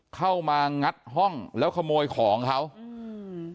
เข้ามางัดห้องแล้วขโมยของเขาอืม